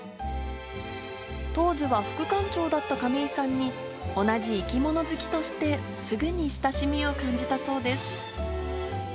当時は副館長だった亀井さんに、同じ生き物好きとしてすぐに親しみを感じたそうです。